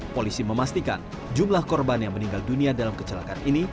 polisi memastikan jumlah korban yang meninggal dunia dalam kecelakaan ini